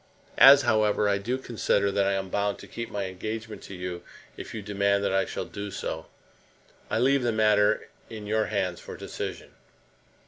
As, however, I do consider that I am bound to keep my engagement to you if you demand that I shall do so, I leave the matter in your hands for decision.